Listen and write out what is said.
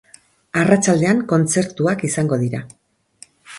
Arratsaldean kontzertuak izango dira.